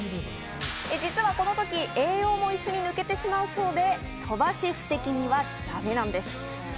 実はこのとき栄養も一緒に抜けてしまうそうで、鳥羽シェフ的にはだめなんです。